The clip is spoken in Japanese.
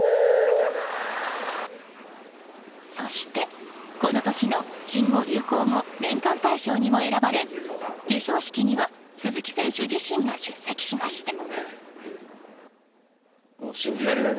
そして、この年の新語・流行語年間大賞にも選ばれ授賞式には鈴木選手自身が出席しました。